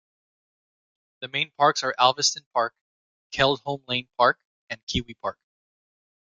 The main parks are Alvaston Park, Keldholme Lane Park and Kiwi Park.